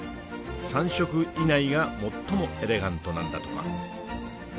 ３色以内が最もエレガントなんだとか。